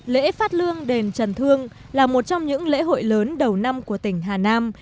lễ phát lương đền trần thương là một trong những lễ hội lớn đầu năm của tỉnh hà nam